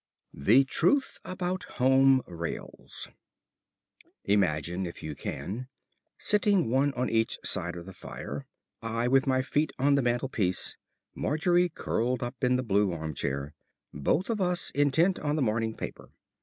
IX. THE TRUTH ABOUT HOME RAILS Imagine us, if you can, sitting one on each side of the fire, I with my feet on the mantelpiece, Margery curled up in the blue arm chair, both of us intent on the morning paper.